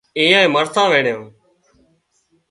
ايئانئي مرسان وينڻيان